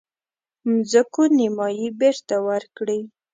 مځکو نیمايي بیرته ورکړي.